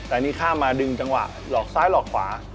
แต่อันนี้ข้ามมาดึงจังหวะหลอกซ้ายหลอกขวา